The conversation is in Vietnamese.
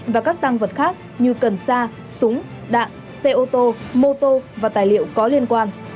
và các tăng vật khác như cần sa súng đạn xe ô tô mô tô và tài liệu có liên quan